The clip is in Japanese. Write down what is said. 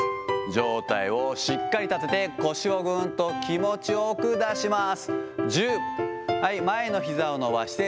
上体をしっかり立てて腰をぐーんと気持ちよく出します。